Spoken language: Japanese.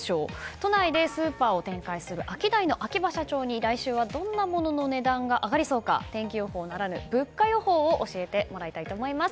都内でスーパーを展開するアキダイの秋葉社長に来週などんなものの値段が上がりそうか天気予報ならぬ物価予報を教えてもらいたいと思います。